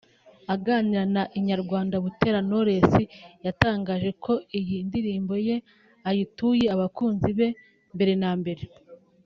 Aganira na Inyarwanda Butera Knowless yatangaje ko iyi ndirimbo ye ayituye abakunzi be mbere na mbere